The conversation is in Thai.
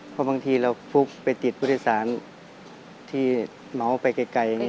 เพราะบางทีเราฟุกไปติดผู้โดยสารที่เหมาไปไกล